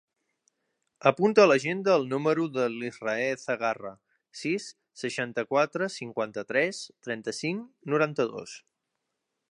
Apunta a l'agenda el número de l'Israe Zarraga: sis, seixanta-quatre, cinquanta-tres, trenta-cinc, noranta-dos.